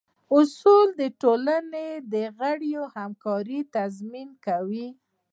اصول د ټولنې د غړو همکارۍ تضمین کوي.